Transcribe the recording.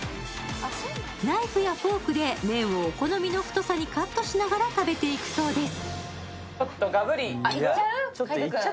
ナイフやフォークで麺をお好みの太さにカットしながら食べていくそうです。